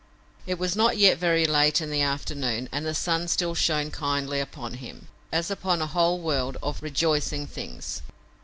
It was not yet very late in the afternoon and the sun still shone kindly upon him, as upon a whole world of rejoicing things.